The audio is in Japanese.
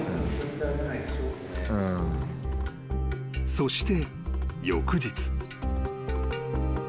［そして翌日］